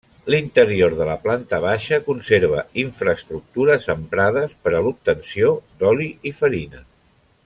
L'interior de la planta baixa conserva infraestructures emprades per a l'obtenció d'oli i farina.